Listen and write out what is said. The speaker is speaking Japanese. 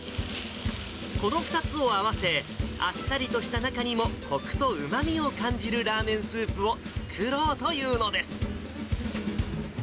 この２つを合わせ、あっさりとした中にも、こくとうまみを感じるラーメンスープを作ろうというのです。